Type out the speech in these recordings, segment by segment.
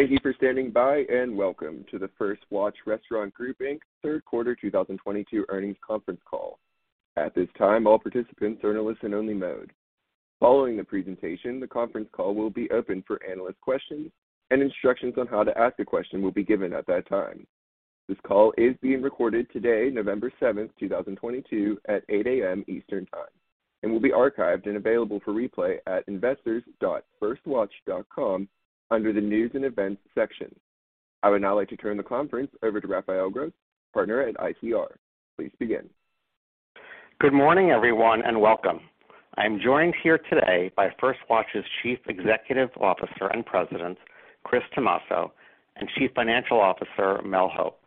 Thank you for standing by, and welcome to the First Watch Restaurant Group, Inc.'s third quarter 2022 earnings conference call. At this time, all participants are in a listen-only mode. Following the presentation, the conference call will be open for analyst questions and instructions on how to ask a question will be given at that time. This call is being recorded today, November 7, 2022 at 8:00 A.M. Eastern Time, and will be archived and available for replay at investors.firstwatch.com under the News and Events section. I would now like to turn the conference over to Raphael Gross, Partner at ICR. Please begin. Good morning, everyone, and welcome. I'm joined here today by First Watch's Chief Executive Officer and President, Chris Tomasso, and Chief Financial Officer, Mel Hope.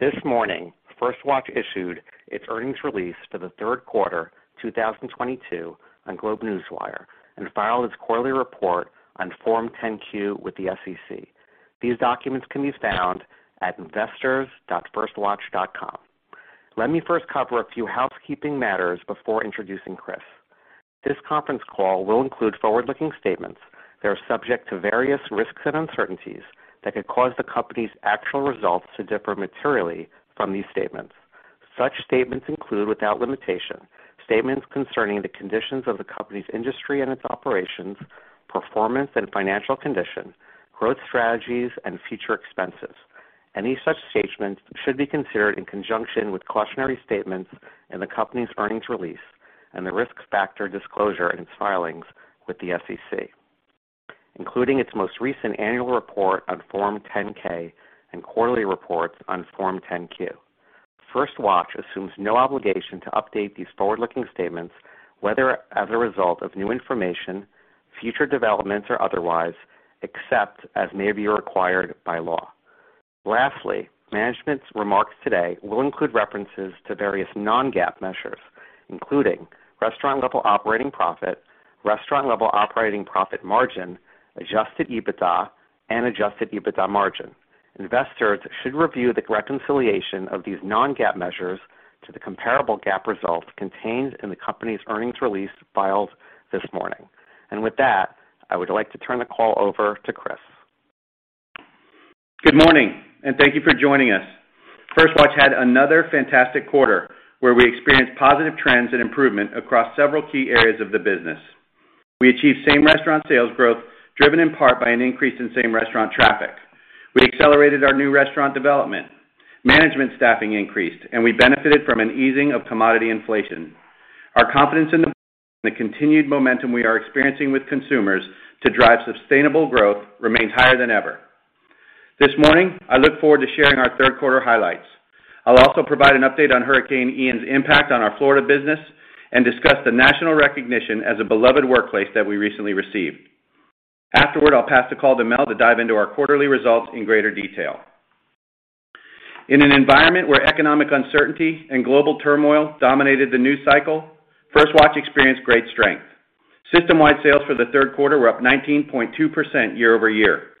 This morning, First Watch issued its earnings release for the third quarter 2022 on GlobeNewswire and filed its quarterly report on Form 10-Q with the SEC. These documents can be found at investors.firstwatch.com. Let me first cover a few housekeeping matters before introducing Chris. This conference call will include forward-looking statements that are subject to various risks and uncertainties that could cause the company's actual results to differ materially from these statements. Such statements include, without limitation, statements concerning the conditions of the company's industry and its operations, performance and financial condition, growth strategies, and future expenses. Any such statements should be considered in conjunction with cautionary statements in the company's earnings release and the risk factor disclosure in its filings with the SEC, including its most recent annual report on Form 10-K and quarterly reports on Form 10-Q. First Watch assumes no obligation to update these forward-looking statements, whether as a result of new information, future developments, or otherwise, except as may be required by law. Lastly, management's remarks today will include references to various non-GAAP measures, including restaurant level operating profit, restaurant level operating profit margin, adjusted EBITDA, and adjusted EBITDA margin. Investors should review the reconciliation of these non-GAAP measures to the comparable GAAP results contained in the company's earnings release filed this morning. With that, I would like to turn the call over to Chris. Good morning, and thank you for joining us. First Watch had another fantastic quarter where we experienced positive trends and improvement across several key areas of the business. We achieved same-restaurant sales growth, driven in part by an increase in same-restaurant traffic. We accelerated our new restaurant development. Management staffing increased, and we benefited from an easing of commodity inflation. Our confidence in the continued momentum we are experiencing with consumers to drive sustainable growth remains higher than ever. This morning, I look forward to sharing our third quarter highlights. I'll also provide an update on Hurricane Ian's impact on our Florida business and discuss the national recognition as a beloved workplace that we recently received. Afterward, I'll pass the call to Mel to dive into our quarterly results in greater detail. In an environment where economic uncertainty and global turmoil dominated the news cycle, First Watch experienced great strength. System-wide sales for the third quarter were up 19.2% year-over-year.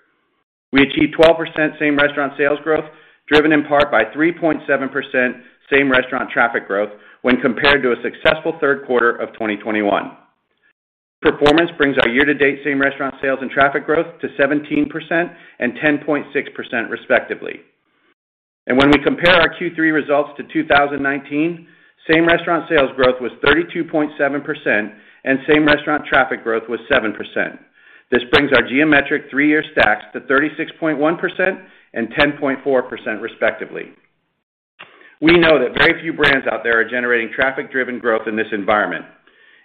We achieved 12% same-restaurant sales growth, driven in part by 3.7% same-restaurant traffic growth when compared to a successful third quarter of 2021. Performance brings our year-to-date same-restaurant sales and traffic growth to 17% and 10.6%, respectively. When we compare our Q3 results to 2019, same-restaurant sales growth was 32.7% and same-restaurant traffic growth was 7%. This brings our geometric three-year stacks to 36.1% and 10.4%, respectively. We know that very few brands out there are generating traffic-driven growth in this environment.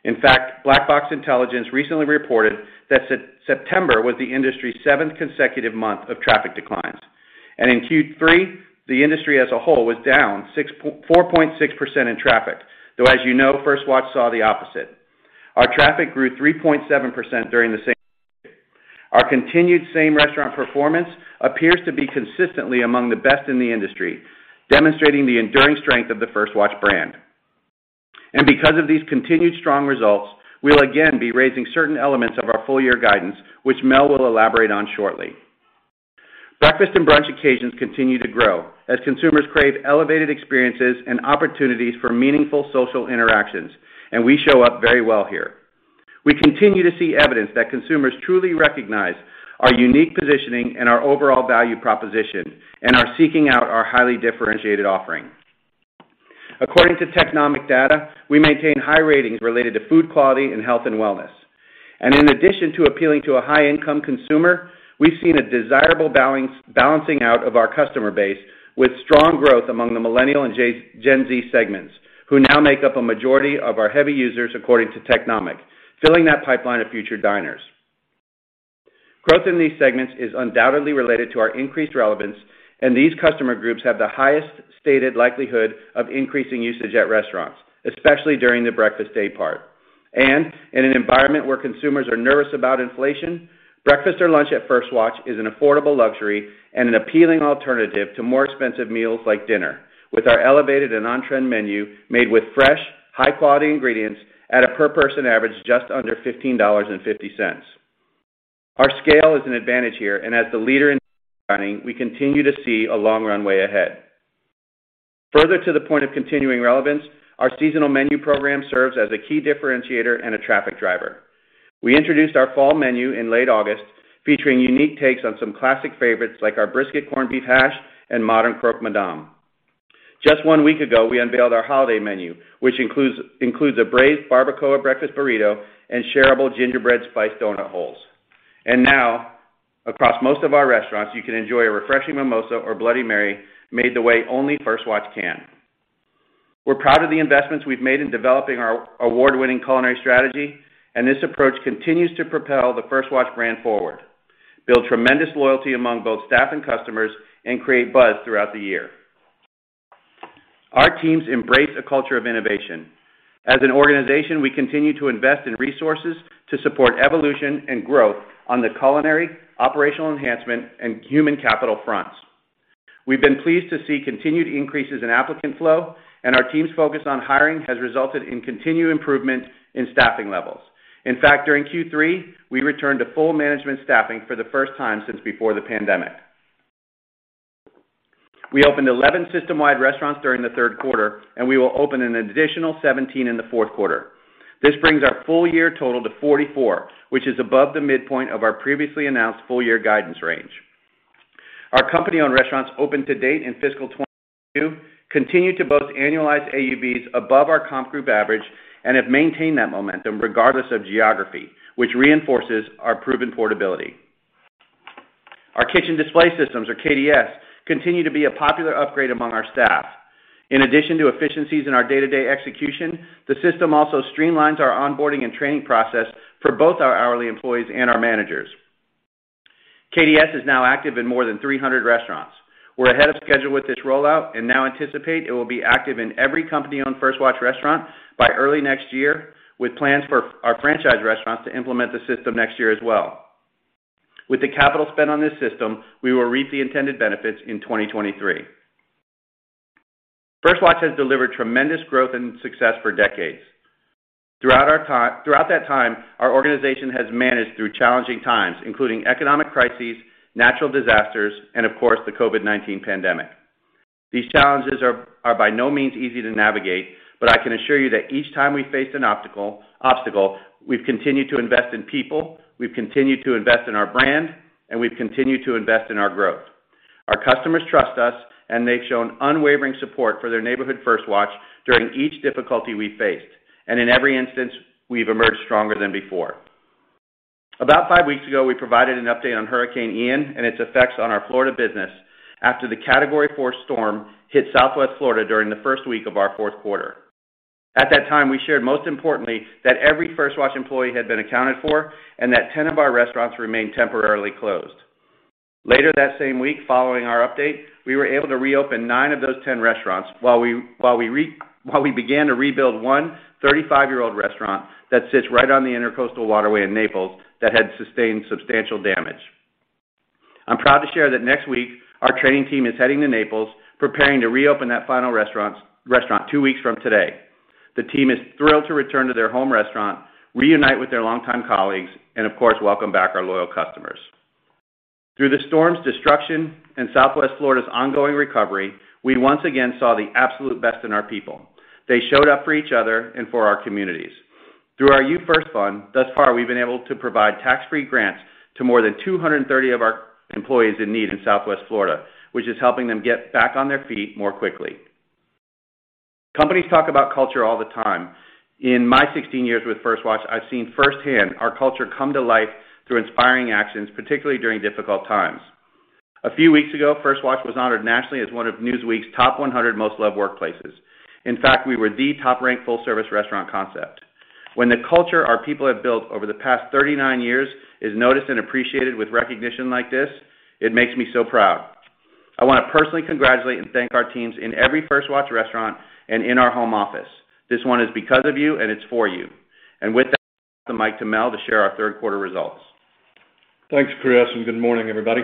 In fact, Black Box Intelligence recently reported that September was the industry's seventh consecutive month of traffic declines. In Q3, the industry as a whole was down 4.6% in traffic. Though as you know, First Watch saw the opposite. Our traffic grew 3.7% during the same period. Our continued same-restaurant performance appears to be consistently among the best in the industry, demonstrating the enduring strength of the First Watch brand. Because of these continued strong results, we'll again be raising certain elements of our full year guidance, which Mel will elaborate on shortly. Breakfast and brunch occasions continue to grow as consumers crave elevated experiences and opportunities for meaningful social interactions, and we show up very well here. We continue to see evidence that consumers truly recognize our unique positioning and our overall value proposition and are seeking out our highly differentiated offering. According to Technomic data, we maintain high ratings related to food quality and health and wellness. In addition to appealing to a high-income consumer, we've seen a desirable balancing out of our customer base with strong growth among the Millennial and Gen Z segments, who now make up a majority of our heavy users according to Technomic, filling that pipeline of future diners. Growth in these segments is undoubtedly related to our increased relevance, and these customer groups have the highest stated likelihood of increasing usage at restaurants, especially during the breakfast daypart. In an environment where consumers are nervous about inflation, breakfast or lunch at First Watch is an affordable luxury and an appealing alternative to more expensive meals like dinner with our elevated and on-trend menu made with fresh, high-quality ingredients at a per person average just under $15.50. Our scale is an advantage here, and as the leader in dining, we continue to see a long runway ahead. Further to the point of continuing relevance, our seasonal menu program serves as a key differentiator and a traffic driver. We introduced our fall menu in late August, featuring unique takes on some classic favorites like our Brisket Corned Beef Hash and Modern Croque Madame. Just one week ago, we unveiled our holiday menu, which includes a braised Barbacoa Breakfast Burrito and shareable Gingerbread Spice Donut Holes. Now across most of our restaurants, you can enjoy a refreshing Mimosa or Bloody Mary made the way only First Watch can. We're proud of the investments we've made in developing our award-winning culinary strategy, and this approach continues to propel the First Watch brand forward, build tremendous loyalty among both staff and customers, and create buzz throughout the year. Our teams embrace a culture of innovation. As an organization, we continue to invest in resources to support evolution and growth on the culinary, operational enhancement, and human capital fronts. We've been pleased to see continued increases in applicant flow, and our team's focus on hiring has resulted in continued improvement in staffing levels. In fact, during Q3, we returned to full management staffing for the first time since before the pandemic. We opened 11 system-wide restaurants during the third quarter, and we will open an additional 17 in the fourth quarter. This brings our full year total to 44, which is above the midpoint of our previously announced full-year guidance range. Our company-owned restaurants open to date in fiscal 2022 continue to boast annualized AUVs above our comp group average and have maintained that momentum regardless of geography, which reinforces our proven portability. Our kitchen display systems, or KDS, continue to be a popular upgrade among our staff. In addition to efficiencies in our day-to-day execution, the system also streamlines our onboarding and training process for both our hourly employees and our managers. KDS is now active in more than 300 restaurants. We're ahead of schedule with this rollout and now anticipate it will be active in every company-owned First Watch restaurant by early next year, with plans for our franchise restaurants to implement the system next year as well. With the capital spent on this system, we will reap the intended benefits in 2023. First Watch has delivered tremendous growth and success for decades. Throughout that time, our organization has managed through challenging times, including economic crises, natural disasters, and of course, the COVID-19 pandemic. These challenges are by no means easy to navigate, but I can assure you that each time we face an obstacle, we've continued to invest in people, we've continued to invest in our brand, and we've continued to invest in our growth. Our customers trust us, and they've shown unwavering support for their neighborhood First Watch during each difficulty we faced. In every instance, we've emerged stronger than before. About 5 weeks ago, we provided an update on Hurricane Ian and its effects on our Florida business after the Category 4 storm hit Southwest Florida during the first week of our fourth quarter. At that time, we shared, most importantly, that every First Watch employee had been accounted for and that 10 of our restaurants remained temporarily closed. Later that same week, following our update, we were able to reopen 9 of those 10 restaurants while we began to rebuild one 35-year-old restaurant that sits right on the Intracoastal Waterway in Naples that had sustained substantial damage. I'm proud to share that next week our training team is heading to Naples, preparing to reopen that final restaurant two weeks from today. The team is thrilled to return to their home restaurant, reunite with their longtime colleagues, and of course, welcome back our loyal customers. Through the storm's destruction and Southwest Florida's ongoing recovery, we once again saw the absolute best in our people. They showed up for each other and for our communities. Through our You First Fund, thus far, we've been able to provide tax-free grants to more than 230 of our employees in need in Southwest Florida, which is helping them get back on their feet more quickly. Companies talk about culture all the time. In my 16 years with First Watch, I've seen firsthand our culture come to life through inspiring actions, particularly during difficult times. A few weeks ago, First Watch was honored nationally as one of Newsweek's top 100 most loved workplaces. In fact, we were the top-ranked full-service restaurant concept. When the culture our people have built over the past 39 years is noticed and appreciated with recognition like this, it makes me so proud. I want to personally congratulate and thank our teams in every First Watch restaurant and in our home office. This one is because of you, and it's for you. With that, I'll pass the mic to Mel to share our third quarter results. Thanks, Chris, and good morning, everybody.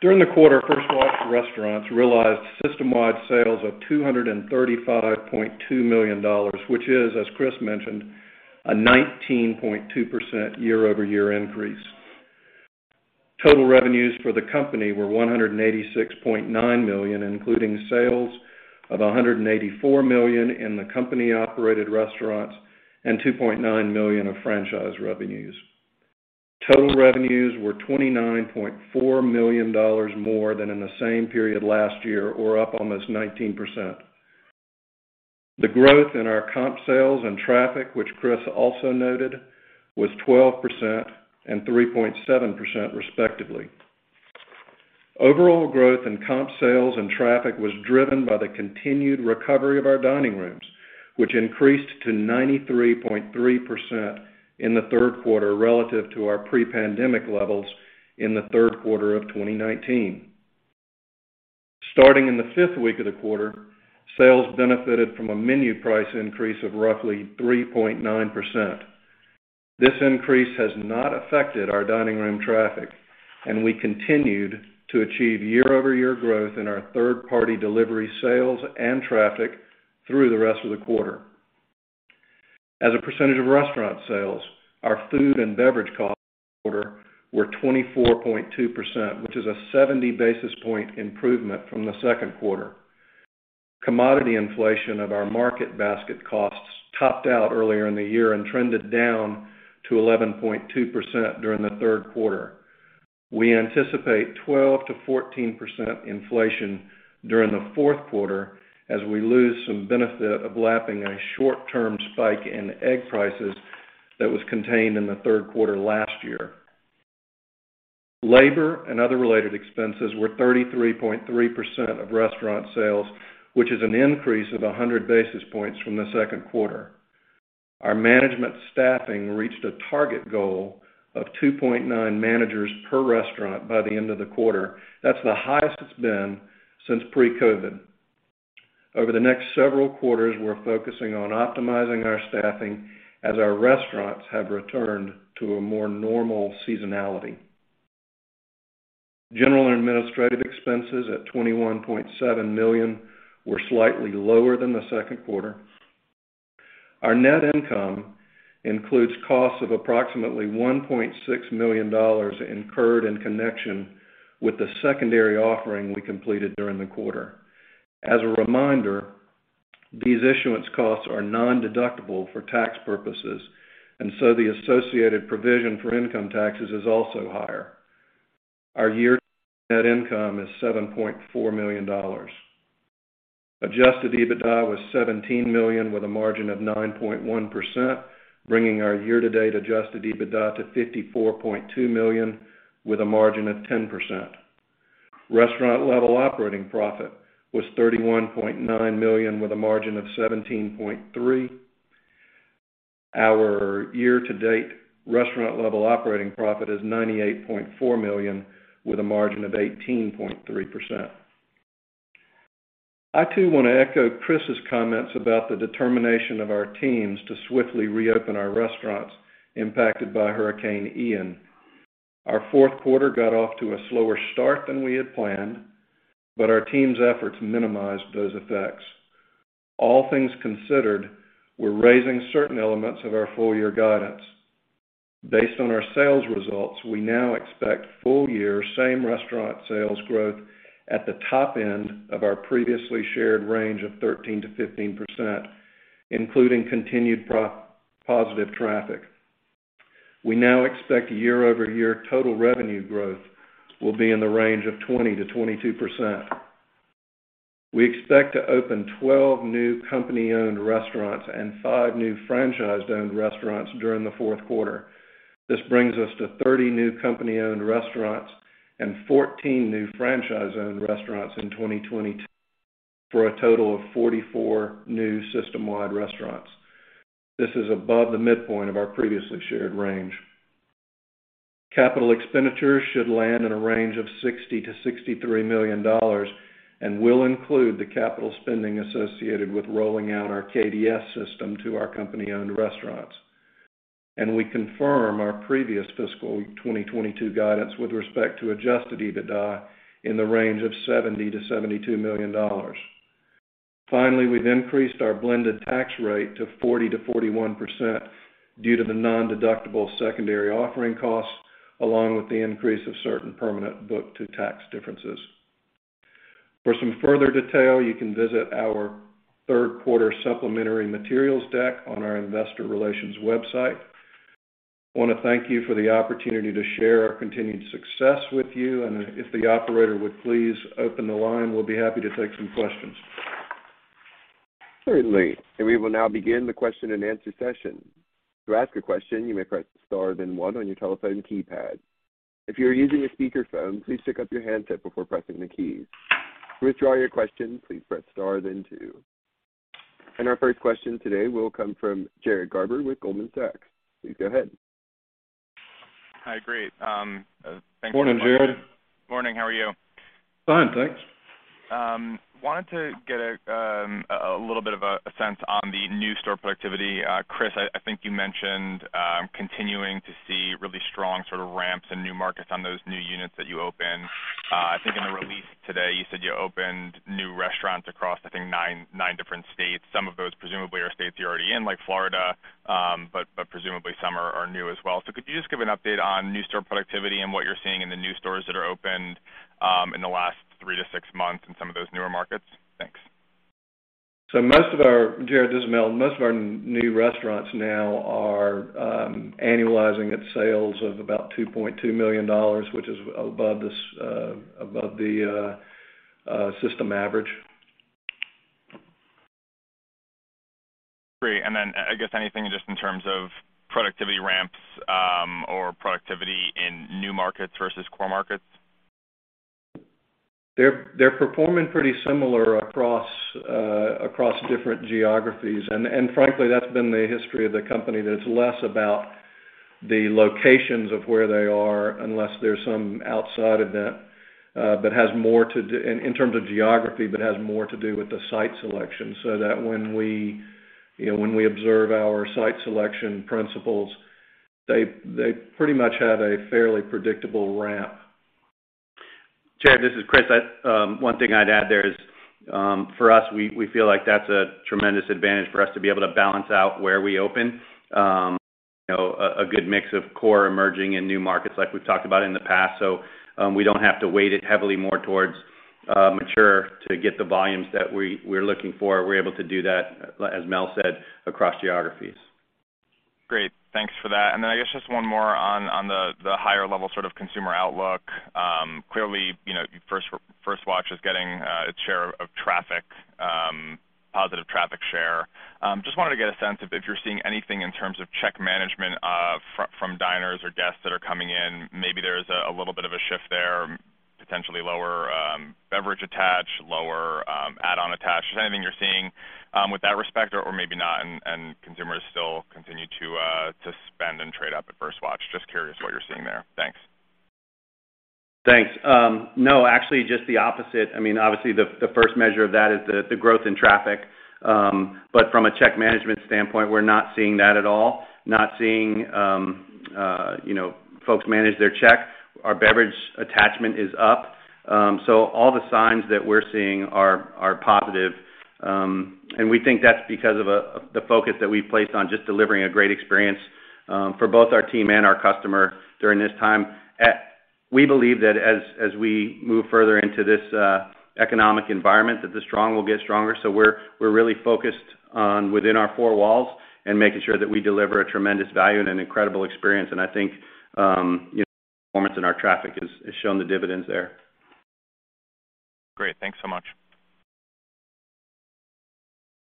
During the quarter, First Watch restaurants realized system-wide sales of $235.2 million, which is, as Chris mentioned, a 19.2% year-over-year increase. Total revenues for the company were $186.9 million, including sales of $184 million in the company-operated restaurants and $2.9 million of franchise revenues. Total revenues were $29.4 million more than in the same period last year or up almost 19%. The growth in our comp sales and traffic, which Chris also noted, was 12% and 3.7%, respectively. Overall growth in comp sales and traffic was driven by the continued recovery of our dining rooms, which increased to 93.3% in the third quarter relative to our pre-pandemic levels in the third quarter of 2019. Starting in the 5th week of the quarter, sales benefited from a menu price increase of roughly 3.9%. This increase has not affected our dining room traffic, and we continued to achieve year-over-year growth in our third-party delivery sales and traffic through the rest of the quarter. As a percentage of restaurant sales, our food and beverage costs for the quarter were 24.2%, which is a 70 basis point improvement from the second quarter. Commodity inflation of our market basket costs topped out earlier in the year and trended down to 11.2% during the third quarter. We anticipate 12% to 14% inflation during the fourth quarter as we lose some benefit of lapping a short-term spike in egg prices that was contained in the third quarter last year. Labor and other related expenses were 33.3% of restaurant sales, which is an increase of 100 basis points from the second quarter. Our management staffing reached a target goal of 2.9 managers per restaurant by the end of the quarter. That's the highest it's been since pre-COVID. Over the next several quarters, we're focusing on optimizing our staffing as our restaurants have returned to a more normal seasonality. General and administrative expenses at $21.7 million were slightly lower than the second quarter. Our net income includes costs of approximately $1.6 million incurred in connection with the secondary offering we completed during the quarter. As a reminder, these issuance costs are nondeductible for tax purposes, and so the associated provision for income taxes is also higher. Our year-to-date net income is $7.4 million. Adjusted EBITDA was $17 million with a margin of 9.1%, bringing our year-to-date adjusted EBITDA to $54.2 million with a margin of 10%. Restaurant level operating profit was $31.9 million with a margin of 17.3%. Our year-to-date restaurant level operating profit is $98.4 million with a margin of 18.3%. I, too, want to echo Chris's comments about the determination of our teams to swiftly reopen our restaurants impacted by Hurricane Ian. Our fourth quarter got off to a slower start than we had planned, but our team's efforts minimized those effects. All things considered, we're raising certain elements of our full year guidance. Based on our sales results, we now expect full year same-restaurant sales growth at the top end of our previously shared range of 13% to 15%, including continued positive traffic. We now expect year-over-year total revenue growth will be in the range of 20% to 22%. We expect to open 12 new company-owned restaurants and 5 new franchise-owned restaurants during the fourth quarter. This brings us to 30 new company-owned restaurants and 14 new franchise-owned restaurants in 2022, for a total of 44 new system-wide restaurants. This is above the midpoint of our previously shared range. Capital expenditures should land in a range of $60 million to $63 million and will include the capital spending associated with rolling out our KDS system to our company-owned restaurants. We confirm our previous fiscal 2022 guidance with respect to adjusted EBITDA in the range of $70 to $72 million. Finally, we've increased our blended tax rate to 40% to 41% due to the nondeductible secondary offering costs, along with the increase of certain permanent book to tax differences. For some further detail, you can visit our third quarter supplementary materials deck on our investor relations website. Want to thank you for the opportunity to share our continued success with you. If the operator would please open the line, we'll be happy to take some questions. Certainly. We will now begin the question-and-answer session. To ask a question, you may press star then 1 on your telephone keypad. If you're using a speakerphone, please pick up your handset before pressing the key. To withdraw your question, please press star then 2. Our first question today will come from Jared Garber with Goldman Sachs. Please go ahead. Hi. Great, thanks so much. Morning, Jared. Morning. How are you? Fine. Thanks. Wanted to get a little bit of a sense on the new store productivity. Chris, I think you mentioned continuing to see really strong sort of ramps in new markets on those new units that you opened. I think in the release today, you said you opened new restaurants across, I think nine different states. Some of those presumably are states you're already in, like Florida, but presumably some are new as well. Could you just give an update on new store productivity and what you're seeing in the new stores that are opened in the last three to six months in some of those newer markets? Thanks. Most of our new restaurants now are annualizing its sales of about $2.2 million, which is above the system average. Great. I guess anything just in terms of productivity ramps, or productivity in new markets versus core markets? They're performing pretty similarly across different geographies. Frankly, that's been the history of the company. It's less about the locations of where they are unless there's some outside event that has more to do with the site selection, so that when we, you know, when we observe our site selection principles, they pretty much have a fairly predictable ramp. Jared this is Chris. One thing I'd add there is, for us, we feel like that's a tremendous advantage for us to be able to balance out where we open, you know, a good mix of core, emerging and new markets like we've talked about in the past. We don't have to weight it heavily more towards mature to get the volumes that we're looking for. We're able to do that, as Mel said, across geographies. Great. Thanks for that. I guess just one more on the higher level sort of consumer outlook. Clearly, you know, First Watch is getting its share of traffic, positive traffic share. Just wanted to get a sense if you're seeing anything in terms of check management, from diners or guests that are coming in, maybe there's a little bit of a shift there, potentially lower beverage attach, lower add-on attach. Is there anything you're seeing with that respect or maybe not and consumers still continue to spend and trade up at First Watch? Just curious what you're seeing there. Thanks. Thanks. No, actually, just the opposite. I mean, obviously the first measure of that is the growth in traffic. From a check management standpoint, we're not seeing that at all. Not seeing, you know, folks manage their check. Our beverage attachment is up. All the signs that we're seeing are positive. We think that's because of the focus that we've placed on just delivering a great experience, for both our team and our customer during this time. We believe that as we move further into this economic environment, that the strong will get stronger. We're really focused on within our four walls and making sure that we deliver a tremendous value and an incredible experience. I think, you know, the performance in our traffic is showing the dividends there. Great. Thanks so much.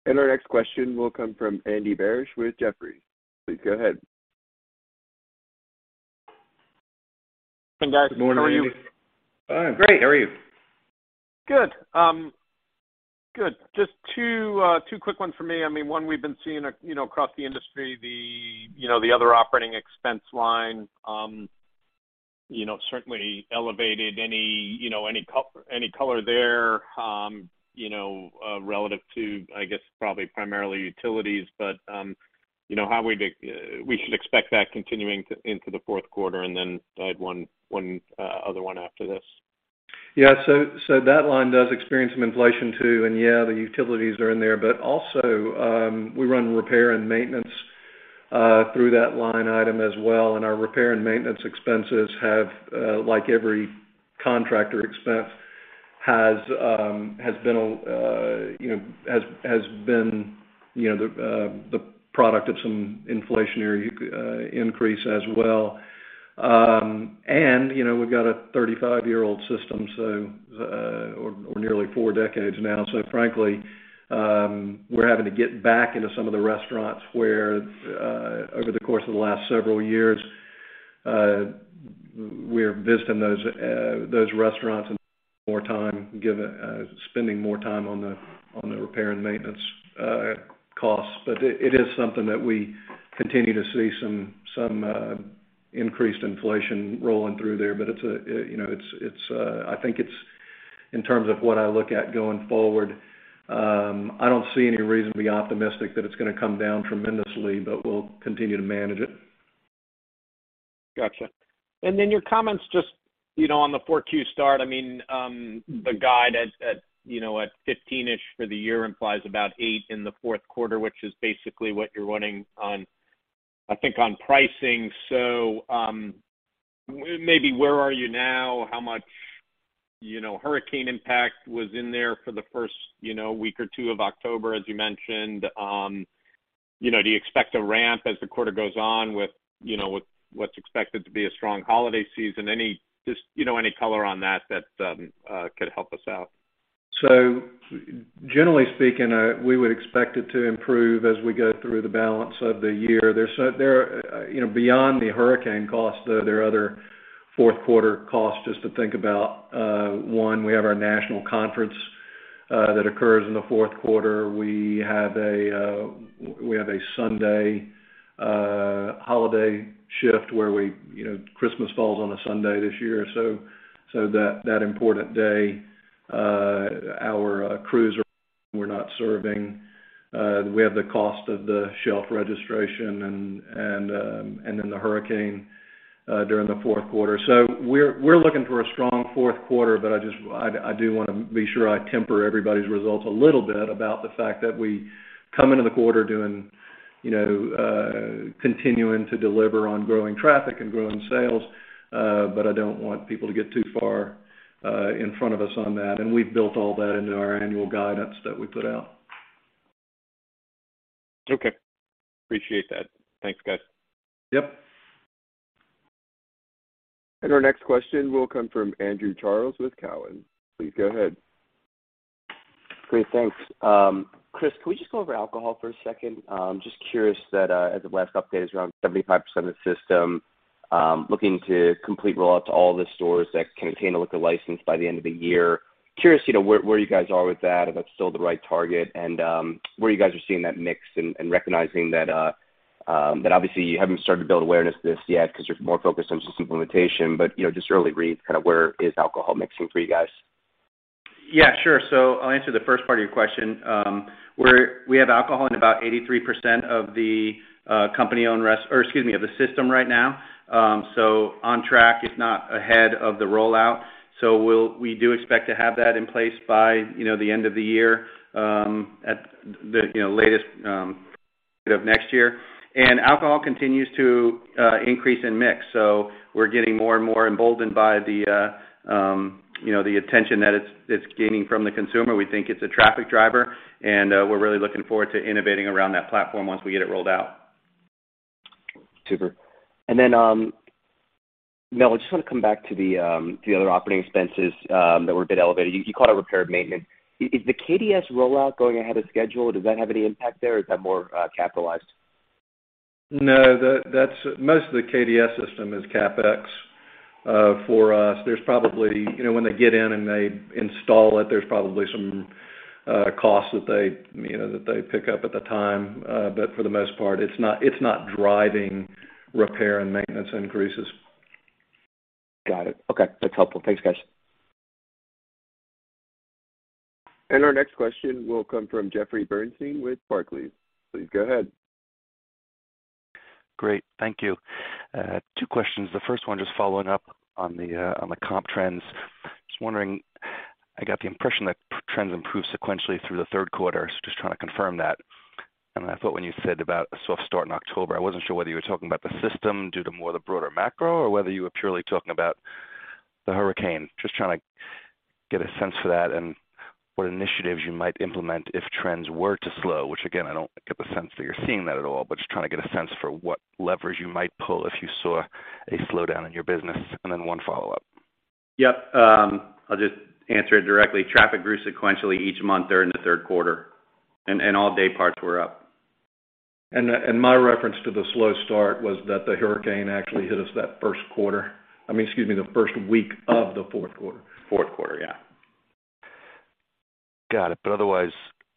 Our next question will come from Andy Barish with Jefferies. Please go ahead. Hey, guys. Good morning, Andy. How are you? Fine. Great. How are you? Good. Just two quick ones for me. I mean, one, we've been seeing, you know, across the industry, the other operating expense line, you know, certainly elevated. Any color there, you know, relative to, I guess, probably primarily utilities, but, you know, how we should expect that continuing into the fourth quarter, and then I had one other one after this. Yeah. So that line does experience some inflation too. Yeah, the utilities are in there. But also, we run repair and maintenance through that line item as well. Our repair and maintenance expenses have, like every contractor expense has, been you know, the product of some inflationary increase as well. You know, we've got a 35-year-old system, so or nearly four decades now. So frankly, we're having to get back into some of the restaurants where, over the course of the last several years, we're visiting those restaurants and spending more time on the repair and maintenance costs. But it is something that we continue to see some increased inflation rolling through there. It's, you know, it's in terms of what I look at going forward. I don't see any reason to be optimistic that it's gonna come down tremendously, but we'll continue to manage it. Gotcha. Then your comments just, you know, on the Q4 start, I mean, the guide at, you know, at 15-ish for the year implies about 8 in the fourth quarter, which is basically what you're running on, I think, on pricing. Maybe where are you now? How much, you know, hurricane impact was in there for the first, you know, week or two of October, as you mentioned? You know, do you expect a ramp as the quarter goes on with, you know, with what's expected to be a strong holiday season? Just, you know, any color on that that could help us out. Generally speaking, we would expect it to improve as we go through the balance of the year. You know, beyond the hurricane costs, there are other fourth quarter costs just to think about. One, we have our national conference that occurs in the fourth quarter. We have a Sunday holiday shift where we, you know, Christmas falls on a Sunday this year. That important day, our crews were not serving. We have the cost of the shelf registration and then the hurricane during the fourth quarter. We're looking for a strong fourth quarter, but I just I do wanna be sure I temper everybody's results a little bit about the fact that we come into the quarter doing, you know, continuing to deliver on growing traffic and growing sales. But I don't want people to get too far in front of us on that. We've built all that into our annual guidance that we put out. Okay. Appreciate that. Thanks, guys. Yep. Our next question will come from Andrew Charles with Cowen. Please go ahead. Great, thanks. Chris, can we just go over alcohol for a second? Just curious that at the last update is around 75% of the system, looking to complete rollout to all the stores that contain a liquor license by the end of the year. Curious, where you guys are with that, if that's still the right target, and where you guys are seeing that mix and recognizing that obviously you haven't started to build awareness of this yet 'cause you're more focused on just implementation. Just early reads, kind of where is alcohol mixing for you guys? Yeah, sure. I'll answer the first part of your question. We have alcohol in about 83% of the system right now. On track, if not ahead of the rollout. We do expect to have that in place by, you know, the end of the year, at the, you know, latest, of next year. Alcohol continues to increase in mix. We're getting more and more emboldened by the, you know, the attention that it's gaining from the consumer. We think it's a traffic driver, and we're really looking forward to innovating around that platform once we get it rolled out. Super. Then, Mel, I just wanna come back to the other operating expenses that were a bit elevated. You called it repair and maintenance. Is the KDS rollout going ahead of schedule? Does that have any impact there, or is that more capitalized? No, that's most of the KDS system is CapEx for us. There's probably, you know, when they get in and they install it, some costs that they, you know, pick up at the time. For the most part, it's not driving repair and maintenance increases. Got it. Okay. That's helpful. Thanks, guys. Our next question will come from Jeffrey Bernstein with Barclays. Please go ahead. Great. Thank you. Two questions. The first one, just following up on the comp trends. Just wondering, I got the impression that trends improved sequentially through the third quarter. Just trying to confirm that. I thought when you said about a soft start in October, I wasn't sure whether you were talking about the system due to more the broader macro, or whether you were purely talking about the hurricane. Just trying to get a sense for that and what initiatives you might implement if trends were to slow, which again, I don't get the sense that you're seeing that at all, but just trying to get a sense for what leverage you might pull if you saw a slowdown in your business, and then one follow-up. Yep. I'll just answer it directly. Traffic grew sequentially each month during the third quarter, and all day parts were up. my reference to the slow start was that the hurricane actually hit us that first quarter. I mean, excuse me, the first week of the fourth quarter. Fourth quarter, yeah. Got it. Otherwise,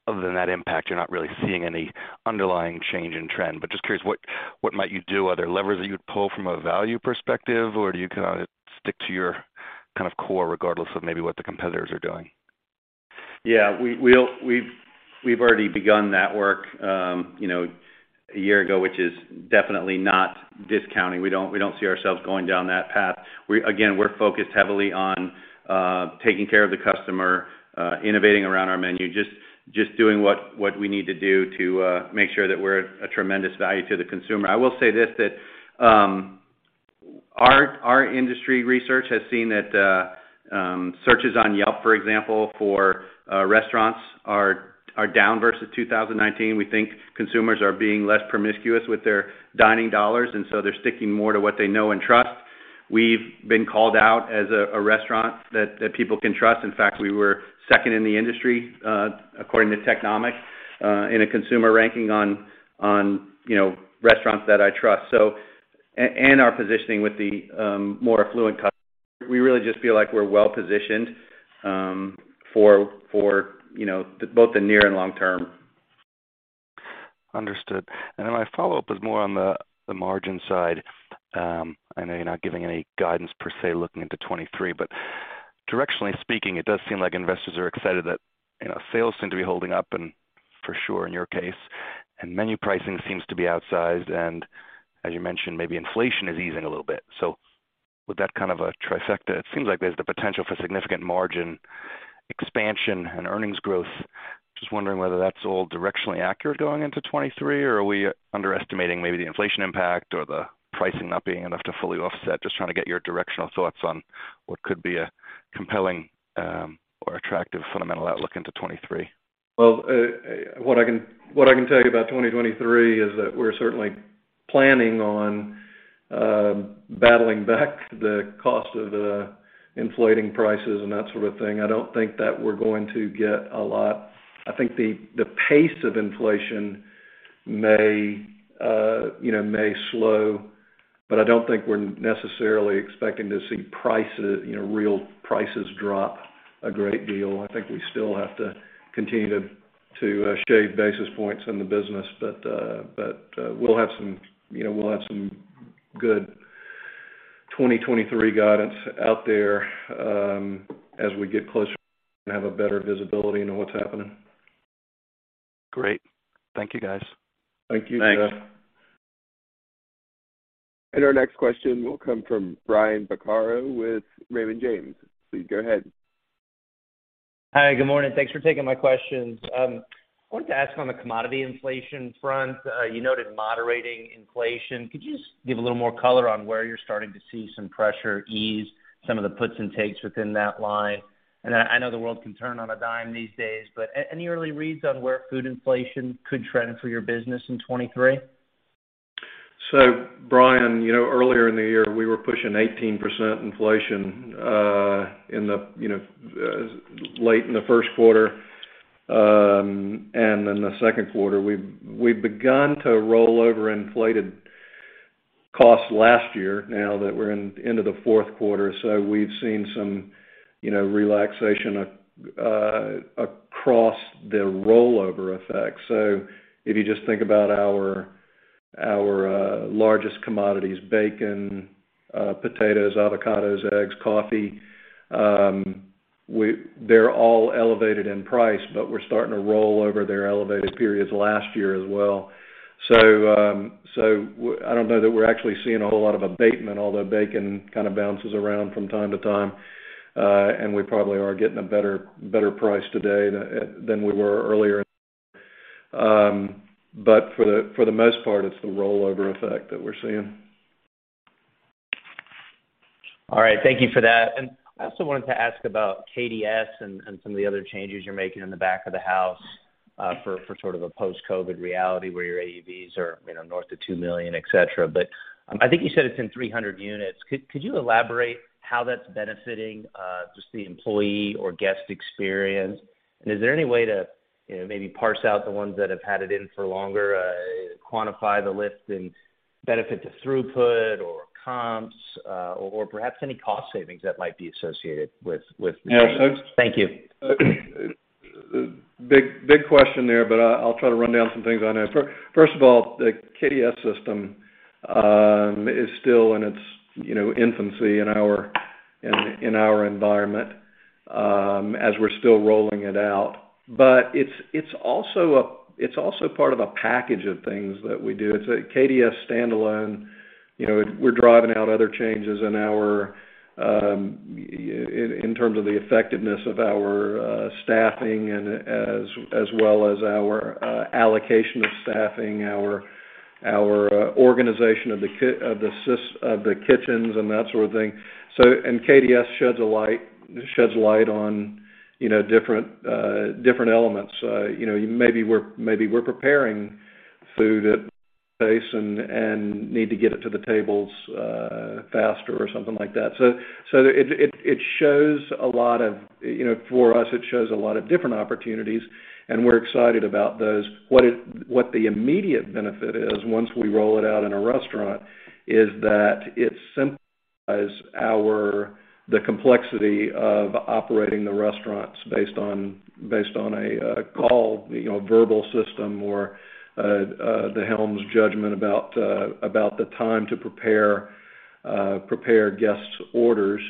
other than that impact, you're not really seeing any underlying change in trend. Just curious, what might you do? Are there levers that you would pull from a value perspective, or do you kinda stick to your kind of core regardless of maybe what the competitors are doing? Yeah. We've already begun that work, you know, a year ago, which is definitely not discounting. We don't see ourselves going down that path. Again, we're focused heavily on taking care of the customer, innovating around our menu, just doing what we need to do to make sure that we're a tremendous value to the consumer. I will say this, that our industry research has seen that searches on Yelp, for example, for restaurants are down versus 2019. We think consumers are being less promiscuous with their dining dollars, and so they're sticking more to what they know and trust. We've been called out as a restaurant that people can trust. In fact, we were second in the industry, according to Technomic, in a consumer ranking on you know, restaurants that I trust. Our positioning with the more affluent customers, we really just feel like we're well positioned for you know, both the near and long term. Understood. My follow-up is more on the margin side. I know you're not giving any guidance per se looking into 2023, but directionally speaking, it does seem like investors are excited that, you know, sales seem to be holding up and for sure in your case, and menu pricing seems to be outsized, and as you mentioned, maybe inflation is easing a little bit. With that kind of a trifecta, it seems like there's the potential for significant margin expansion and earnings growth. Just wondering whether that's all directionally accurate going into 2023, or are we underestimating maybe the inflation impact or the pricing not being enough to fully offset? Just trying to get your directional thoughts on what could be a compelling or attractive fundamental outlook into 2023. Well, what I can tell you about 2023 is that we're certainly planning on battling back the cost of the inflating prices and that sort of thing. I don't think that we're going to get a lot. I think the pace of inflation, you know, may slow, but I don't think we're necessarily expecting to see prices, you know, real prices drop a great deal. I think we still have to continue to shave basis points in the business. We'll have some, you know, good 2023 guidance out there as we get closer and have a better visibility into what's happening. Great. Thank you, guys. Thank you, Jeff. Thanks. Our next question will come from Brian Vaccaro with Raymond James. Please go ahead. Hi, good morning. Thanks for taking my questions. I wanted to ask on the commodity inflation front, you noted moderating inflation. Could you just give a little more color on where you're starting to see some pressure ease, some of the puts and takes within that line? I know the world can turn on a dime these days, but any early reads on where food inflation could trend for your business in 2023? Brian, you know, earlier in the year, we were pushing 18% inflation in the late in the first quarter and in the second quarter. We've begun to roll over inflated costs last year now that we're in the fourth quarter. We've seen some, you know, relaxation across the rollover effect. If you just think about our largest commodities, bacon, potatoes, avocados, eggs, coffee, they're all elevated in price, but we're starting to roll over their elevated periods last year as well. I don't know that we're actually seeing a whole lot of abatement, although bacon kind of bounces around from time to time. We probably are getting a better price today than we were earlier. For the most part, it's the rollover effect that we're seeing. All right, thank you for that. I also wanted to ask about KDS and some of the other changes you're making in the back of the house for sort of a post-COVID reality where your AUVs are, you know, north of $2 million, et cetera. I think you said it's in 300 units. Could you elaborate how that's benefiting just the employee or guest experience? Is there any way to, you know, maybe parse out the ones that have had it in for longer, quantify the lift and benefit to throughput or comps, or perhaps any cost savings that might be associated with the change? Thank you. Yeah, big question there, but I'll try to run down some things on it. First of all, the KDS system is still in its, you know, infancy in our environment as we're still rolling it out. But it's also part of a package of things that we do. It's a KDS standalone. You know, we're driving out other changes in terms of the effectiveness of our staffing and as well as our allocation of staffing, our organization of the kitchens and that sort of thing. KDS sheds light on, you know, different elements. You know, maybe we're preparing food at pace and need to get it to the tables faster or something like that. It shows a lot of, you know, for us, different opportunities, and we're excited about those. What the immediate benefit is once we roll it out in a restaurant is that it simplifies the complexity of operating the restaurants based on, you know, a verbal system or the team's judgment about the time to prepare guests' orders.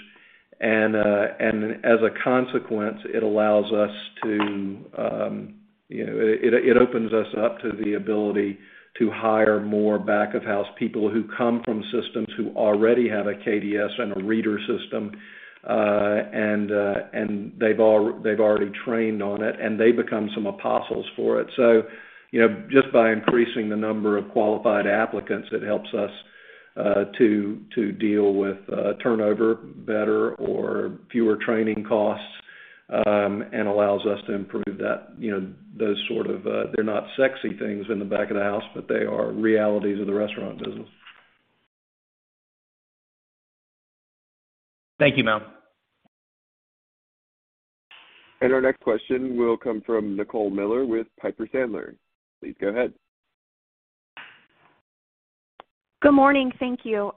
As a consequence, it allows us to you know, it opens us up to the ability to hire more back of house people who come from systems who already have a KDS and a reader system, and they've already trained on it, and they become some apostles for it. You know, just by increasing the number of qualified applicants, it helps us to deal with turnover better or fewer training costs, and allows us to improve that, you know, those sort of, they're not sexy things in the back of the house, but they are realities of the restaurant business. Thank you, Mel. Our next question will come from Nicole Miller Regan with Piper Sandler. Please go ahead. Good morning. Thank you.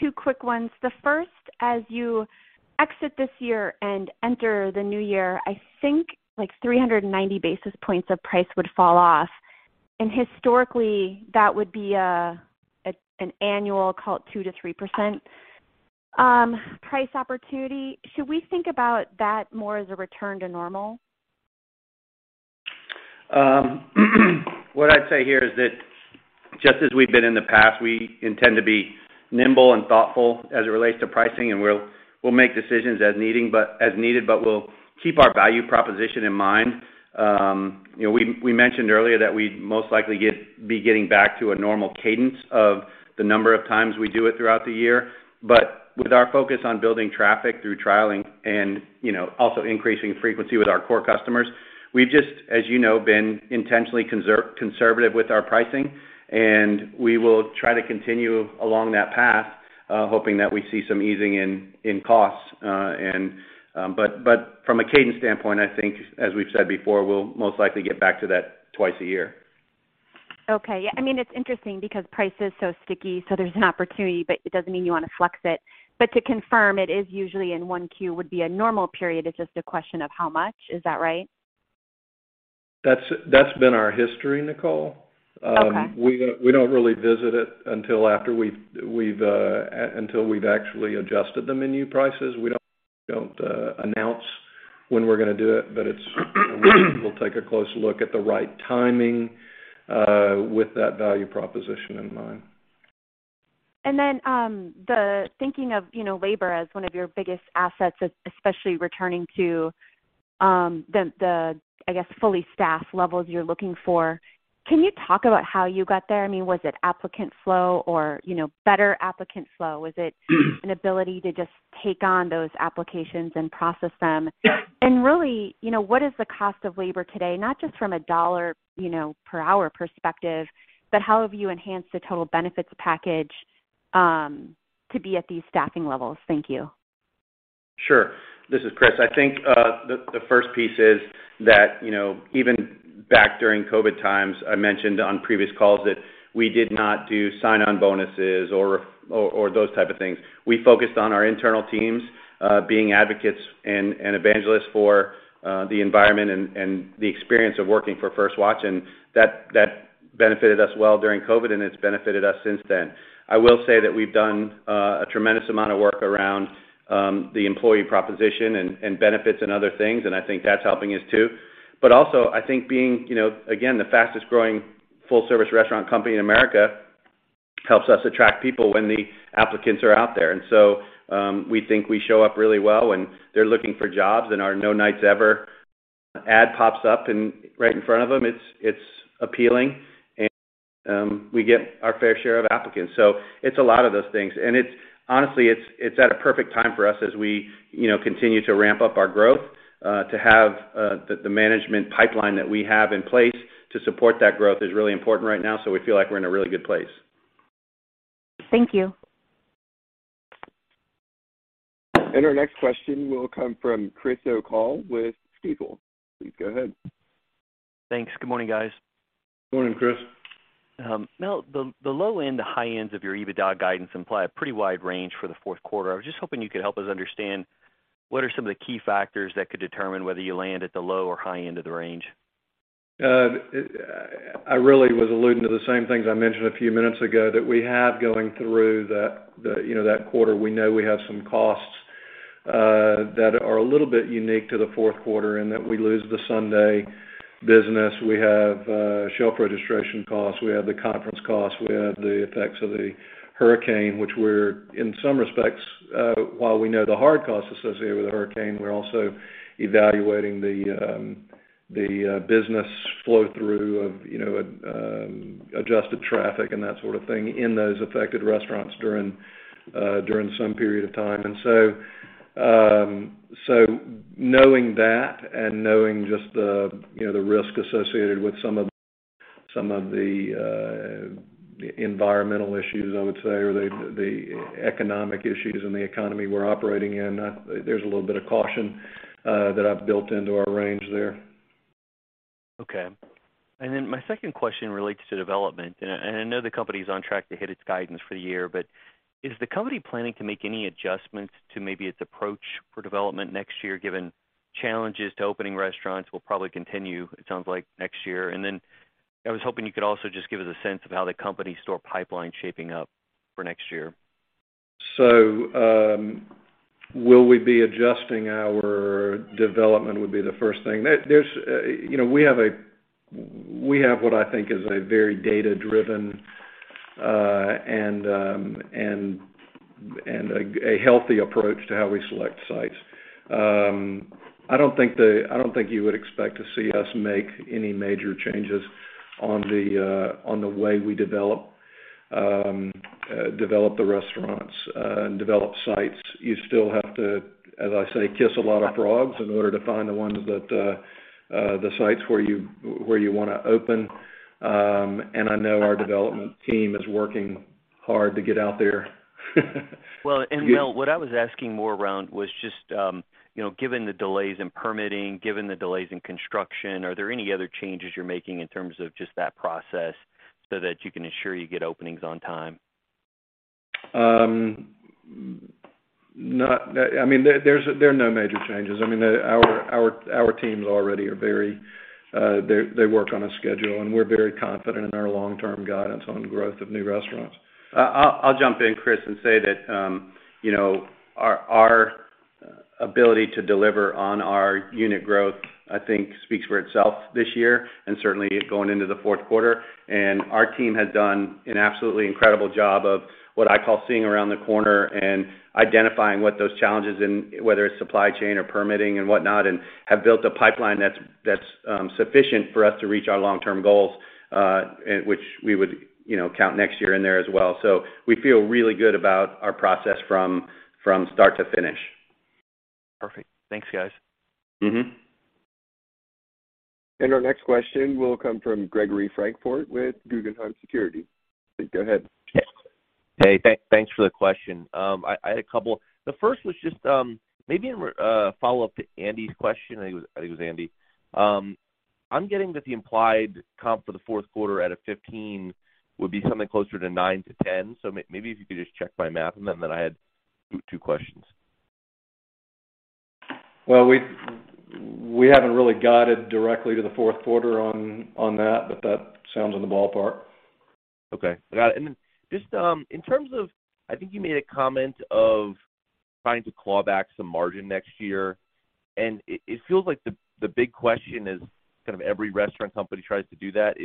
Two quick ones. The first, as you exit this year and enter the new year, I think like 390 basis points of price would fall off. Historically, that would be an annual, call it 2%-3%, price opportunity. Should we think about that more as a return to normal? What I'd say here is that just as we've been in the past, we intend to be nimble and thoughtful as it relates to pricing, and we'll make decisions as needed, but we'll keep our value proposition in mind. You know, we mentioned earlier that we'd most likely be getting back to a normal cadence of the number of times we do it throughout the year. With our focus on building traffic through trialing and, you know, also increasing frequency with our core customers, we've just, as you know, been intentionally conservative with our pricing, and we will try to continue along that path, hoping that we see some easing in costs. From a cadence standpoint, I think as we've said before, we'll most likely get back to that twice a year. Okay. I mean, it's interesting because price is so sticky, so there's an opportunity, but it doesn't mean you want to flex it. To confirm, it is usually in one Q would be a normal period. It's just a question of how much, is that right? That's been our history, Nicole. Okay. We don't really visit it until after we've actually adjusted the menu prices. We don't announce when we're gonna do it, but we'll take a close look at the right timing with that value proposition in mind. The thinking of, you know, labor as one of your biggest assets, especially returning to the I guess fully staffed levels you're looking for. Can you talk about how you got there? I mean, was it applicant flow or, you know, better applicant flow? Was it an ability to just take on those applications and process them? Yeah. Really, you know, what is the cost of labor today, not just from a dollar, you know, per hour perspective, but how have you enhanced the total benefits package, to be at these staffing levels? Thank you. Sure. This is Chris. I think, the first piece is that, you know, even back during COVID times, I mentioned on previous calls that we did not do sign-on bonuses or those type of things. We focused on our internal teams, being advocates and evangelists for, the environment and the experience of working for First Watch. That benefited us well during COVID, and it's benefited us since then. I will say that we've done, a tremendous amount of work around, the employee proposition and benefits and other things, and I think that's helping us too. Also, I think being, you know, again, the fastest-growing full-service restaurant company in America helps us attract people when the applicants are out there. We think we show up really well when they're looking for jobs and our No Nights Ever ad pops up right in front of them. It's appealing. We get our fair share of applicants. It's a lot of those things. Honestly, it's at a perfect time for us as we you know continue to ramp up our growth to have the management pipeline that we have in place to support that growth is really important right now. We feel like we're in a really good place. Thank you. Our next question will come from Chris O'Cull with Stifel. Please go ahead. Thanks. Good morning, guys. Morning, Chris. Mel, the low end to high ends of your EBITDA guidance imply a pretty wide range for the fourth quarter. I was just hoping you could help us understand what are some of the key factors that could determine whether you land at the low or high end of the range? I really was alluding to the same things I mentioned a few minutes ago, that we have going through that, the, you know, that quarter, we know we have some costs, that are a little bit unique to the fourth quarter in that we lose the Sunday business. We have shelf registration costs. We have the conference costs. We have the effects of the hurricane, which we're in some respects, while we know the hard costs associated with the hurricane, we're also evaluating the, business flow through of, you know, adjusted traffic and that sort of thing in those affected restaurants during some period of time. knowing that and knowing just, you know, the risk associated with some of the environmental issues, I would say, or the economic issues and the economy we're operating in, there's a little bit of caution that I've built into our range there. Okay. Then my second question relates to development. I know the company's on track to hit its guidance for the year, but is the company planning to make any adjustments to maybe its approach for development next year, given challenges to opening restaurants will probably continue, it sounds like next year? Then I was hoping you could also just give us a sense of how the company store pipeline shaping up for next year. Will we be adjusting our development would be the first thing. You know, we have what I think is a very data-driven and a healthy approach to how we select sites. I don't think you would expect to see us make any major changes on the way we develop the restaurants and develop sites. You still have to, as I say, kiss a lot of frogs in order to find the ones that the sites where you wanna open. I know our development team is working hard to get out there. Well, Mel, what I was asking more around was just, you know, given the delays in permitting, given the delays in construction, are there any other changes you're making in terms of just that process so that you can assure you get openings on time? I mean, there are no major changes. I mean, our teams already are very, they work on a schedule, and we're very confident in our long-term guidance on growth of new restaurants. I'll jump in, Chris, and say that, you know, our ability to deliver on our unit growth, I think speaks for itself this year and certainly going into the fourth quarter. Our team has done an absolutely incredible job of what I call seeing around the corner and identifying what those challenges and whether it's supply chain or permitting and whatnot, and have built a pipeline that's sufficient for us to reach our long-term goals, which we would, you know, count next year in there as well. We feel really good about our process from start to finish. Perfect. Thanks, guys. Mm-hmm. Our next question will come from Gregory Francfort with Guggenheim Securities. Go ahead. Hey, thanks for the question. I had a couple. The first was just maybe in follow-up to Andy's question. I think it was Andy. I'm getting that the implied comp for the fourth quarter out of 15 would be something closer to 9%-10%. Maybe if you could just check my math and then I had two questions. Well, we haven't really guided directly to the fourth quarter on that, but that sounds in the ballpark. Okay. Got it. Just in terms of, I think you made a comment about trying to claw back some margin next year, and it feels like the big question is kind of every restaurant company tries to do that,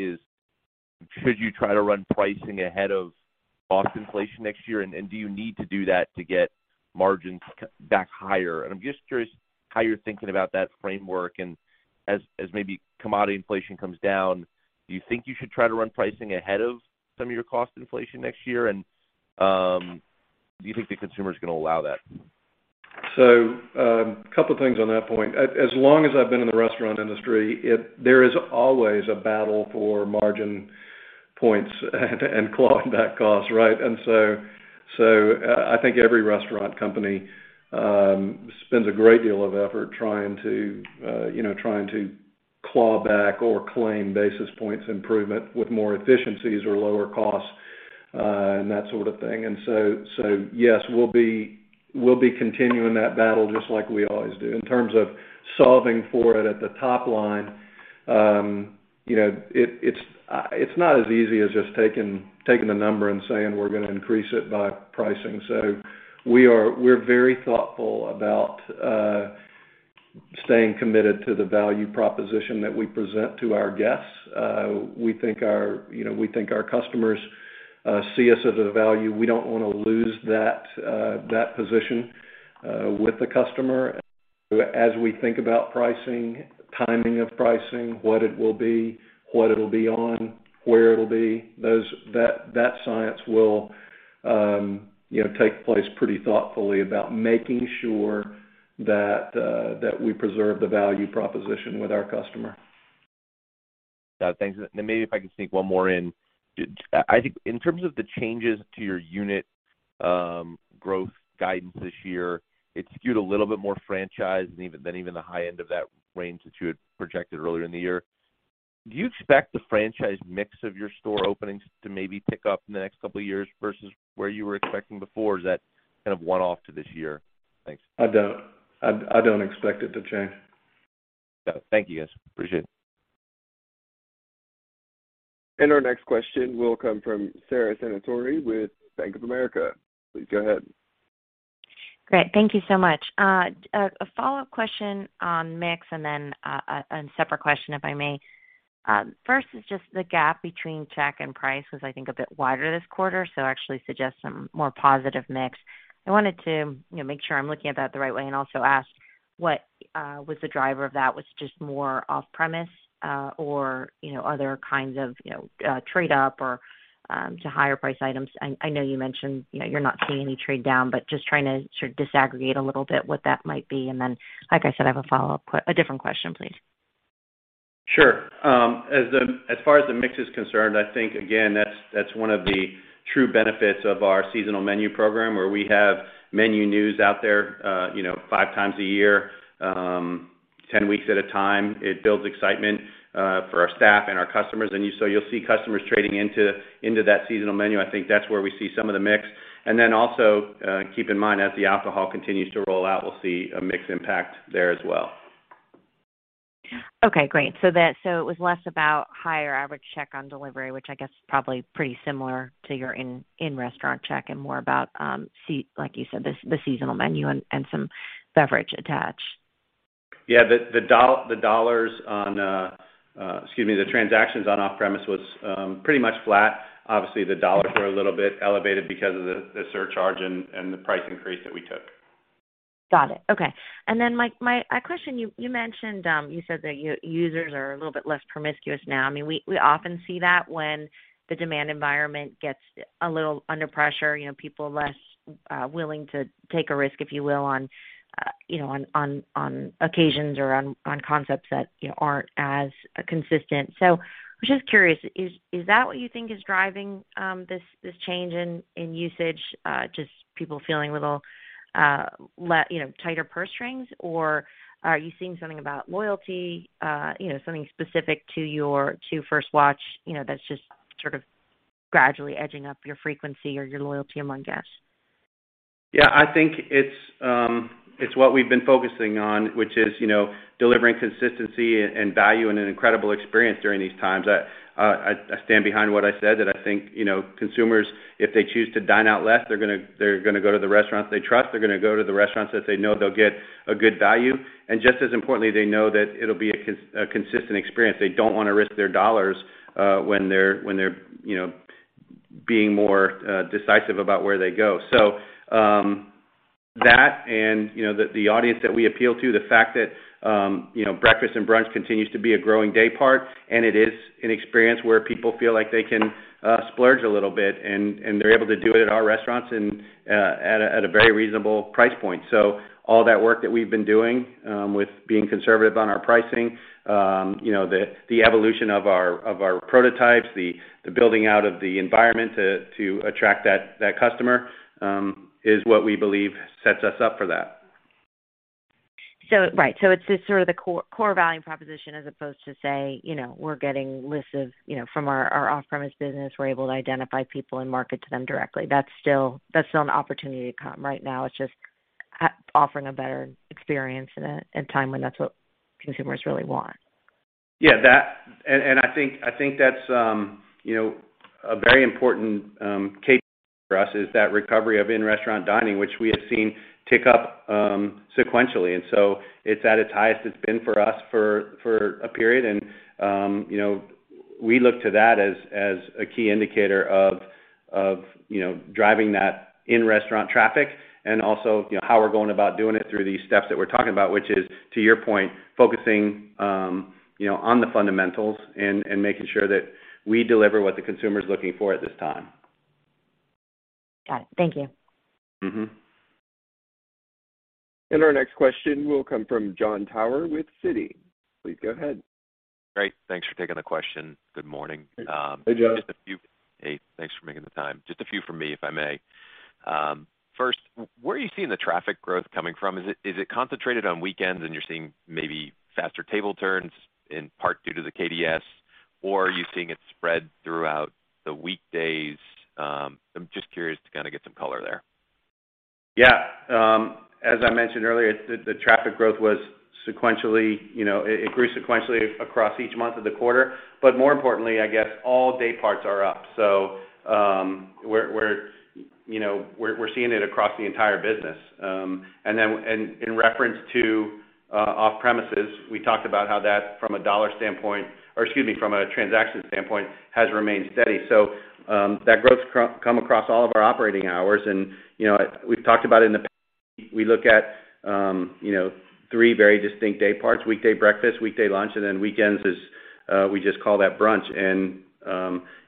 should you try to run pricing ahead of cost inflation next year? Do you need to do that to get margins back higher? I'm just curious how you're thinking about that framework. As maybe commodity inflation comes down, do you think you should try to run pricing ahead of some of your cost inflation next year? Do you think the consumer is gonna allow that? Couple things on that point. As long as I've been in the restaurant industry, there is always a battle for margin points and clawing back costs, right? I think every restaurant company spends a great deal of effort trying to, you know, trying to claw back or claim basis points improvement with more efficiencies or lower costs. that sort of thing. Yes, we'll be continuing that battle just like we always do. In terms of solving for it at the top line, you know, it's not as easy as just taking the number and saying we're gonna increase it by pricing. We're very thoughtful about staying committed to the value proposition that we present to our guests. We think, you know, our customers see us as a value. We don't wanna lose that position with the customer. As we think about pricing, timing of pricing, what it will be, what it'll be on, where it'll be, that science will, you know, take place pretty thoughtfully about making sure that we preserve the value proposition with our customer. Thanks. Then maybe if I can sneak one more in. I think in terms of the changes to your unit growth guidance this year, it skewed a little bit more franchise than even the high end of that range that you had projected earlier in the year. Do you expect the franchise mix of your store openings to maybe pick up in the next couple of years versus where you were expecting before? Is that kind of one-off to this year? Thanks. I don't. I don't expect it to change. Thank you, guys. Appreciate it. Our next question will come from Sara Senatore with Bank of America. Please go ahead. Great. Thank you so much. A follow-up question on mix and then a separate question, if I may. First is just the gap between check and price was, I think, a bit wider this quarter, so actually suggests some more positive mix. I wanted to, you know, make sure I'm looking at that the right way and also ask what was the driver of that, was just more off-premise, or, you know, other kinds of, you know, trade up or to higher price items. I know you mentioned, you know, you're not seeing any trade down, but just trying to sort of disaggregate a little bit what that might be. Then, like I said, I have a different question, please. Sure. As far as the mix is concerned, I think, again, that's one of the true benefits of our seasonal menu program, where we have menu news out there, you know, 5 times a year, 10 weeks at a time. It builds excitement for our staff and our customers. You'll see customers trading into that seasonal menu. I think that's where we see some of the mix. Then also, keep in mind, as the alcohol continues to roll out, we'll see a mix impact there as well. Okay, great. It was less about higher average check on delivery, which I guess is probably pretty similar to your in-restaurant check and more about, like you said, the seasonal menu and some beverage attached. Yeah. The dollars on the transactions on off-premise was pretty much flat. Obviously, the dollars were a little bit elevated because of the surcharge and the price increase that we took. Got it. Okay. My question, you mentioned you said that users are a little bit less promiscuous now. I mean, we often see that when the demand environment gets a little under pressure, you know, people are less willing to take a risk, if you will, on you know, on occasions or on concepts that you know, aren't as consistent. I'm just curious, is that what you think is driving this change in usage, just people feeling a little you know, tighter purse strings, or are you seeing something about loyalty, you know, something specific to First Watch, you know, that's just sort of gradually edging up your frequency or your loyalty among guests? Yeah. I think it's what we've been focusing on, which is, you know, delivering consistency and value and an incredible experience during these times. I stand behind what I said, that I think, you know, consumers, if they choose to dine out less, they're gonna go to the restaurants they trust. They're gonna go to the restaurants that they know they'll get a good value. And just as importantly, they know that it'll be a consistent experience. They don't wanna risk their dollars when they're you know being more decisive about where they go. That and, you know, the audience that we appeal to, the fact that, you know, breakfast and brunch continues to be a growing day part, and it is an experience where people feel like they can splurge a little bit, and they're able to do it at our restaurants and at a very reasonable price point. All that work that we've been doing with being conservative on our pricing, you know, the evolution of our prototypes, the building out of the environment to attract that customer is what we believe sets us up for that. Right. It's just sort of the core value proposition as opposed to, say, you know, we're getting lists of, you know, from our off-premise business, we're able to identify people and market to them directly. That's still an opportunity to come. Right now, it's just offering a better experience in a time when that's what consumers really want. I think that's a very important case for us is that recovery of in-restaurant dining, which we have seen tick up sequentially. It's at its highest it's been for us for a period. We look to that as a key indicator of driving that in-restaurant traffic and also how we're going about doing it through these steps that we're talking about, which is, to your point, focusing on the fundamentals and making sure that we deliver what the consumer is looking for at this time. Got it. Thank you. Mm-hmm. Our next question will come from Jon Tower with Citi. Please go ahead. Great. Thanks for taking the question. Good morning. Hey, Jon. Hey, thanks for making the time. Just a few from me, if I may. First, where are you seeing the traffic growth coming from? Is it concentrated on weekends and you're seeing maybe faster table turns in part due to the KDS? Or are you seeing it spread throughout the weekdays? I'm just curious to kind of get some color there. Yeah. As I mentioned earlier, the traffic growth was sequentially, you know, it grew sequentially across each month of the quarter. More importantly, I guess, all day parts are up. We're, you know, seeing it across the entire business. And then, in reference to off-premises, we talked about how that from a dollar standpoint or excuse me, from a transaction standpoint, has remained steady. That growth's come across all of our operating hours. You know, we've talked about we look at, you know, three very distinct day parts, weekday breakfast, weekday lunch, and then weekends, we just call that brunch.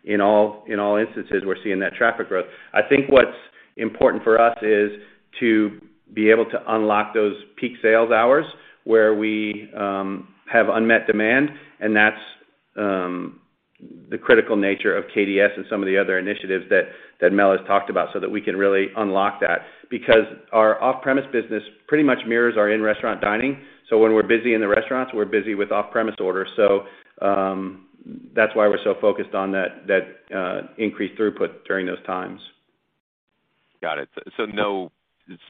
In all instances, we're seeing that traffic growth. I think what's important for us is to be able to unlock those peak sales hours where we have unmet demand, and that's the critical nature of KDS and some of the other initiatives that Mel has talked about, so that we can really unlock that. Because our off-premise business pretty much mirrors our in-restaurant dining. When we're busy in the restaurants, we're busy with off-premise orders. That's why we're so focused on that increased throughput during those times. Got it. No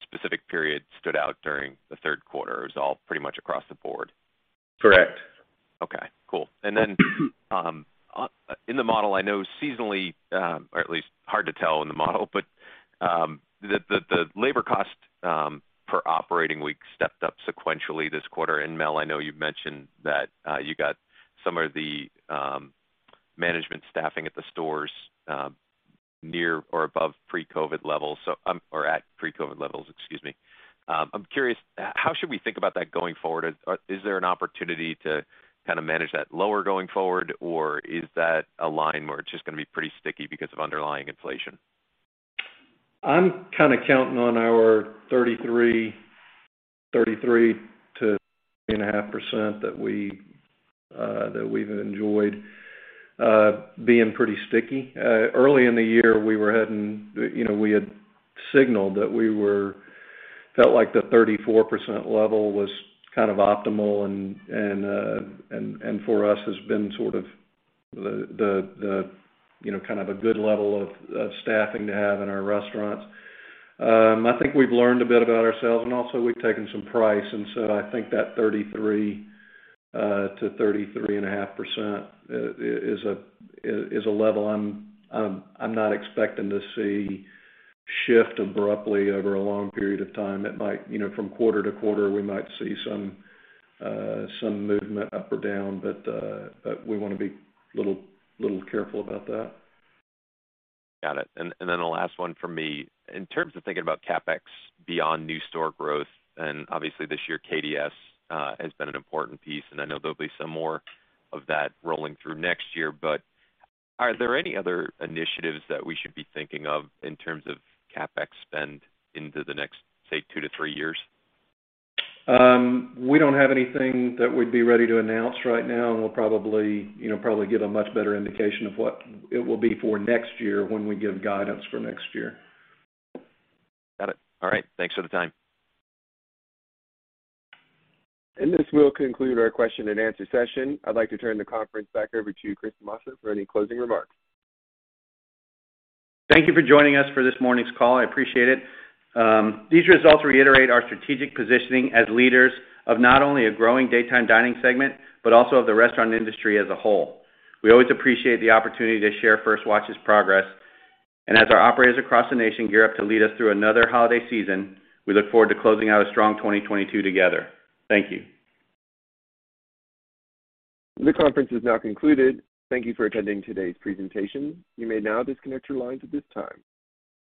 specific period stood out during the third quarter. It was all pretty much across the board. Correct. Okay, cool. In the model, I know seasonally, or at least hard to tell in the model, but the labor cost per operating week stepped up sequentially this quarter. Mel, I know you've mentioned that you got some of the management staffing at the stores near or above pre-COVID levels, or at pre-COVID levels, excuse me. I'm curious, how should we think about that going forward? Is there an opportunity to kind of manage that lower going forward, or is that a line where it's just gonna be pretty sticky because of underlying inflation? I'm kind of counting on our 33%-33.5% that we've enjoyed being pretty sticky. Early in the year, you know, we had signaled that we felt like the 34% level was kind of optimal and for us has been sort of the you know, kind of a good level of staffing to have in our restaurants. I think we've learned a bit about ourselves and also we've taken some price, and so I think that 33%-33.5% is a level I'm not expecting to see shift abruptly over a long period of time. It might, you know, from quarter to quarter, we might see some movement up or down, but we wanna be little careful about that. Got it. Then the last one from me. In terms of thinking about CapEx beyond new store growth, and obviously this year, KDS has been an important piece, and I know there'll be some more of that rolling through next year. Are there any other initiatives that we should be thinking of in terms of CapEx spend into the next, say, two to three years? We don't have anything that we'd be ready to announce right now, and we'll probably, you know, give a much better indication of what it will be for next year when we give guidance for next year. Got it. All right. Thanks for the time. This will conclude our question and answer session. I'd like to turn the conference back over to Chris Tomasso for any closing remarks. Thank you for joining us for this morning's call. I appreciate it. These results reiterate our strategic positioning as leaders of not only a growing daytime dining segment, but also of the restaurant industry as a whole. We always appreciate the opportunity to share First Watch's progress. As our operators across the nation gear up to lead us through another holiday season, we look forward to closing out a strong 2022 together. Thank you. This conference is now concluded. Thank you for attending today's presentation. You may now disconnect your lines at this time.